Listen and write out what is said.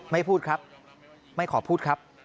ไม่พูดครับไม่ขอพูดครับ